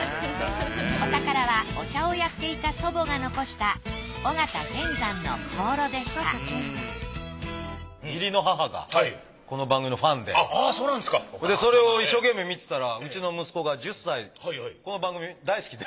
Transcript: お宝はお茶をやっていた祖母が遺した尾形乾山の香炉でした義理の母がこの番組のファンでそれを一生懸命見てたらうちの息子が１０歳この番組大好きで。